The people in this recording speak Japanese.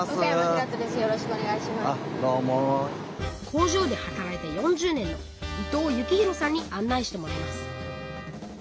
工場で働いて４０年の伊藤幸洋さんに案内してもらいます。